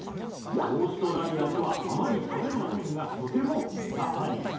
オーストラリアではあまり食べませんがとても値が張ります